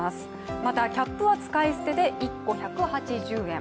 また、キャップは使い捨てで１個１８０円。